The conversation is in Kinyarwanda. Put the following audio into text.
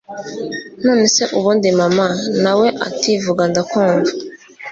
nonese ubundi mama!! nawe ati vuga ndakumva